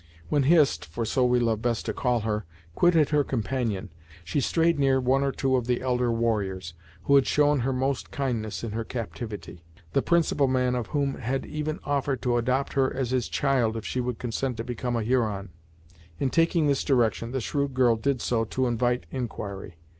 When Hist for so we love best to call her quitted her companion, she strayed near one or two of the elder warriors, who had shown her most kindness in her captivity, the principal man of whom had even offered to adopt her as his child if she would consent to become a Huron. In taking this direction, the shrewd girl did so to invite inquiry.